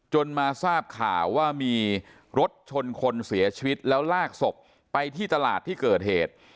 มาทราบข่าวว่ามีรถชนคนเสียชีวิตแล้วลากศพไปที่ตลาดที่เกิดเหตุ